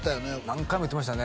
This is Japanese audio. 何回も言ってましたね